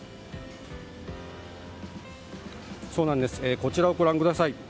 こちらをご覧ください。